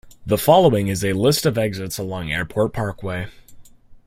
The following is a list of exits along Airport Parkway.